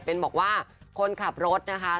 เป็นบอกว่าคนขับรถนะคะ